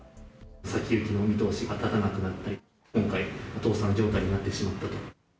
先行きの見通しが立たなくなったり、今回、倒産状態になってしまったと。